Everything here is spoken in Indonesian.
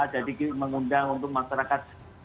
jadi kita mengundang untuk masyarakat